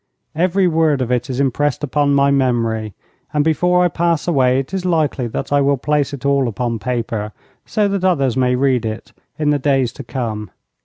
Every word of it is impressed upon my memory, and before I pass away it is likely that I will place it all upon paper, so that others may read it in the days to come.